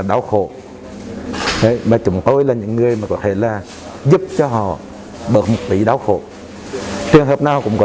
đau khổ mà chúng tôi là những người mà có thể là giúp cho họ bớt một tí đau khổ trường hợp nào cũng có